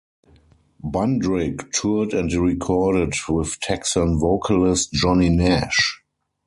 Bundrick toured and recorded with Texan vocalist Johnny Nash.